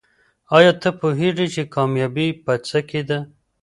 آیا ته پوهېږې چې کامیابي په څه کې ده؟